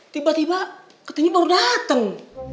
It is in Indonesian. tiba tiba ketengin baru dateng